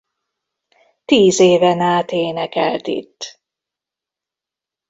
Tíz éven át énekelt itt.